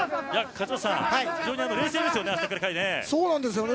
勝俣さん、非常に冷静ですよね。